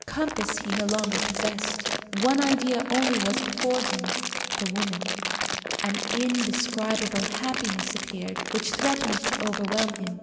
Compass he no longer possessed. One idea only was before him the woman. An indescribable happiness appeared, which threatened to overwhelm him.